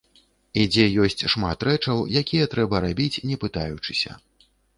І дзе ёсць шмат рэчаў, якія трэба рабіць не пытаючыся.